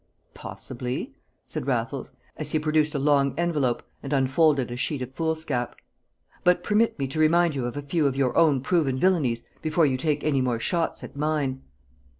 "Possibly," said Raffles, as he produced a long envelope and unfolded a sheet of foolscap; "but permit me to remind you of a few of your own proven villainies before you take any more shots at mine.